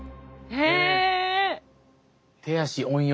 へえ！